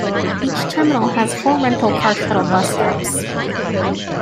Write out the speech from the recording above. Each terminal has four rental car shuttle bus stops.